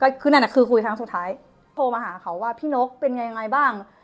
ก็คือนั่นน่ะคือคุยครั้งสุดท้ายโทรมาหาเขาว่าพี่นกเป็นไงยังไงบ้าง